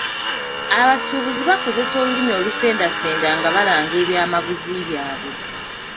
Abasuubuzi bakozesa olulimi olusendasenda nga balanga ebyamaguzi byaabwe.